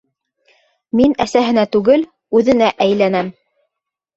Мин әсәһенә түгел, үҙенә әйләнәм.